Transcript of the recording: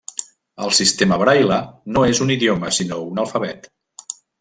El sistema braille no és un idioma, sinó un alfabet.